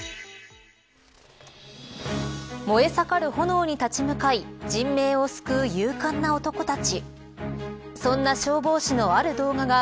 燃え盛る炎に立ち向かい人命を救う勇敢な男たち。